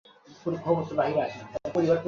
আচ্ছা - ব্যাপারটা গোপন রাখুন।